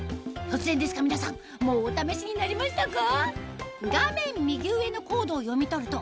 突然ですが皆さんもうお試しになりましたか？